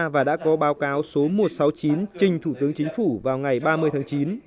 và đã có báo cáo số một trăm sáu mươi chín trình thủ tướng chính phủ vào ngày ba mươi tháng chín